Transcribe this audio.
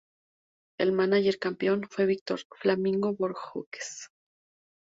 El mánager campeón fue Víctor "Flamingo" Bojórquez.